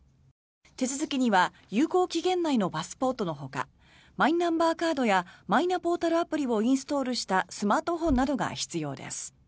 手続きには有効期限内のパスポートのほかマイナンバーカードやマイナポータルアプリをインストールしたスマートフォンなどが必要です。